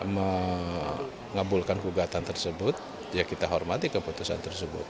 mengabulkan gugatan tersebut ya kita hormati keputusan tersebut